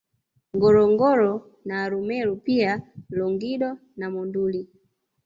Ngorongoro na Arumeru pia Longido na Monduli